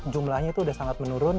jumlahnya itu sudah sangat menurun